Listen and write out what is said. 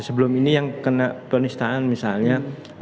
sebelum ini yang kena penistaan misalnya